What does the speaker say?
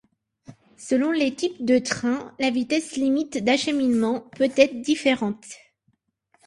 Selon les types de trains, la vitesse limite d'acheminement peut être différente.